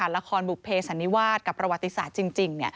ละครบุภเพสันนิวาสกับประวัติศาสตร์จริง